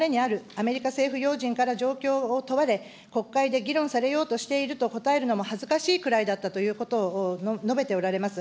アメリカ政府要人から状況を問われ、国会で議論されようとしていると答えるのも恥かしいくらいだったと述べておられます。